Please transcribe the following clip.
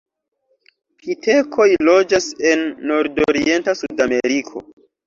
Pitekoj loĝas en nordorienta Sudameriko.